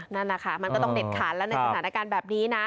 นั่นนะคะมันก็ต้องเด็ดขาดแล้วในสถานการณ์แบบนี้นะ